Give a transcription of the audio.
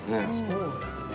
そうですね。